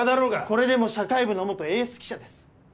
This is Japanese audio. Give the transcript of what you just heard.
これでも社会部の元エース記者です